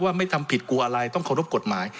ไม่ทำผิดกลัวอะไรต้องเคารพกฎหมาย